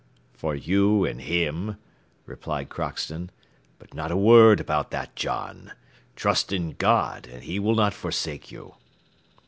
"For you and him," replied Crockston, "but not a word about that, John. Trust in God, and He will not forsake you."